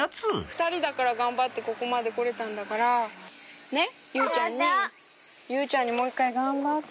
２人だから頑張ってここまで来れたんだからねっゆうちゃんにもう一回頑張って！